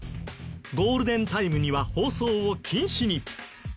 ゴールデンタイムには放送を禁止に。